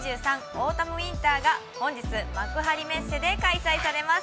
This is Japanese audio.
オータムウインター」が本日幕張メッセで開催されます。